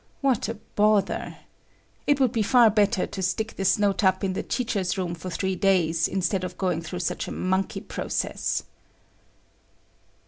What a bother! It would be far better to stick this note up in the teachers' room for three days instead of going through such a monkey process.